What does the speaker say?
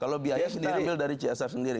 kalau biaya kita ambil dari ciasar sendiri